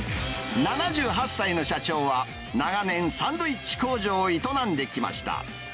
７８歳の社長は、長年、サンドイッチ工場を営んできました。